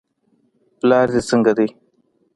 پلار دې څنګه دی.